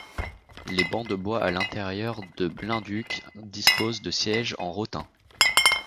Les bancs de bois à l'intérieur de Blenduk disposent de sièges en rotin.